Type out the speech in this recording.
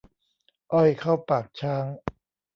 อ้อยเข้าปากช้าง